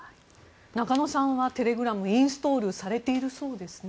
中野さんは、テレグラムインストールされているそうですね。